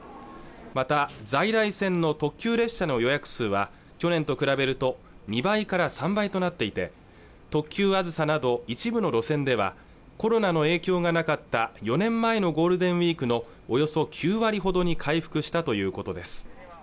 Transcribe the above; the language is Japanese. また在来線の特急列車の予約数は去年と比べると２倍から３倍となっていて特急あずさなど一部の路線ではコロナの影響がなかった４年前のゴールデンウィークのおよそ９割ほどに回復したということです